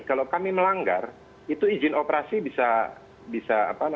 kalau kami melanggar itu izin operasi bisa